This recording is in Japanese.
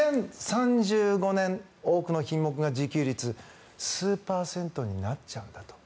２０３５年多くの品目が自給率数パーセントになっちゃうんだと。